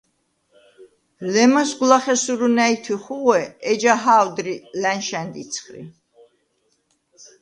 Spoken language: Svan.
ლემასგვ ლახე სურუ ნა̈ჲთვი ხუღვე, ეჯა ჰა̄ვდრი ლა̈ნშა̈ნდ იცხრი.